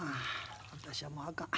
私はもうあかん。